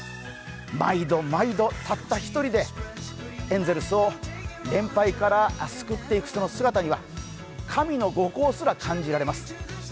毎度毎度たった一人でエンゼルスを連敗から救っていくその姿には神の後光すら感じられます。